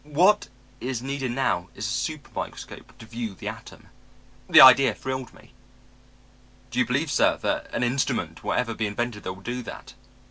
What is needed now is a super microscope to view the atom.' "The idea thrilled me. "'Do you believe, sir, that an instrument will ever be invented that will do that?'